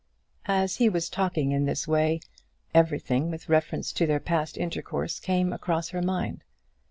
As he was talking in this way, everything with reference to their past intercourse came across her mind.